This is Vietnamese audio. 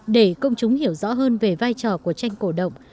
để công chúng hiểu rõ hơn về vai trò của tranh cổ động